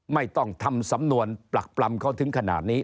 ไม่ต้องทำสำนวนปรักปรำเขาถึงขนาดนี้